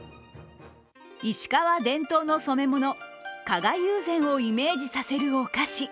石川伝統の染め物、加賀友禅をイメージさせるお菓子。